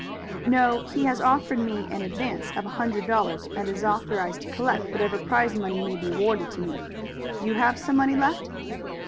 "No. He has offered me an advance of a hundred dollars, and is authorized to collect whatever prize money may be awarded to me. You have some money left?"